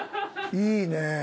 いいね。